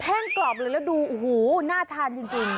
กรอบเลยแล้วดูโอ้โหน่าทานจริง